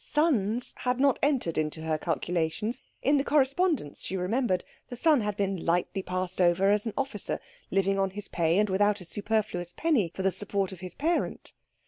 Sons had not entered into her calculations. In the correspondence, she remembered, the son had been lightly passed over as an officer living on his pay and without a superfluous penny for the support of his parent.